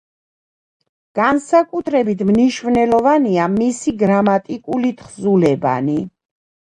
განსაკუთრებით მნიშვნელოვანია მისი გრამატიკული თხზულებანი.